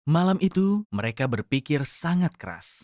malam itu mereka berpikir sangat keras